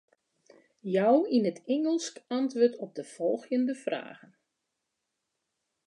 Jou yn it Ingelsk antwurd op de folgjende fragen.